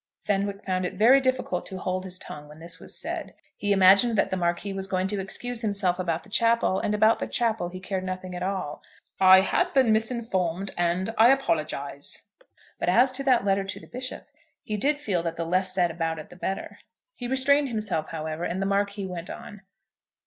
Fenwick found it very difficult to hold his tongue when this was said. He imagined that the Marquis was going to excuse himself about the chapel, and about the chapel he cared nothing at all. But as to that letter to the bishop, he did feel that the less said about it the better. He restrained himself, however, and the Marquis went on.